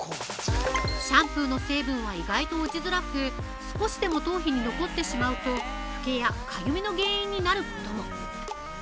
シャンプーの成分は意外と落ちづらく、少しでも頭皮に残ってしまうと、フケやかゆみの原因になることも。